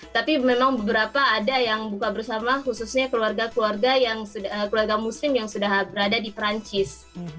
tapi memang beberapa ada yang buka bersama khususnya keluarga keluarga muslim yang sudah berada di perancis